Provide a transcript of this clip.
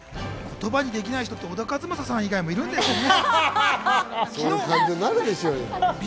言葉にできない人って、小田和正さん以外にもいるんですね。